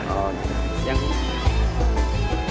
kalau kita yang bisa